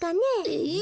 えっ？